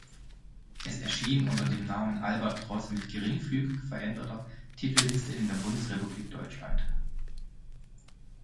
Es erschien unter dem Namen Albatros mit geringfügig veränderter Titelliste in der Bundesrepublik Deutschland.